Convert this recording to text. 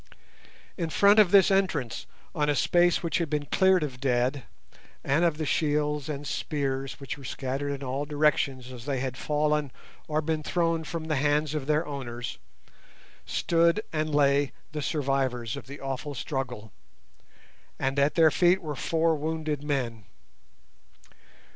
In front of this entrance, on a space which had been cleared of dead and of the shields and spears which were scattered in all directions as they had fallen or been thrown from the hands of their owners, stood and lay the survivors of the awful struggle, and at their feet were four wounded men.